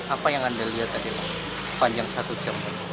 apa yang anda lihat tadi pak panjang satu jam